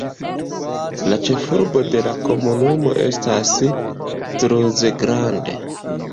La ĉefurbo de la komunumo estas Cruz Grande.